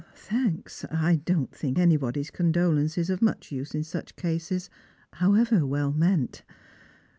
" Thanks. I don't think anybody's condolence is of much use in such cases, however well meant.